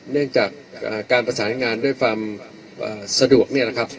เนื่องจากการประสานงานด้วยความสะดวกเนี่ยนะครับ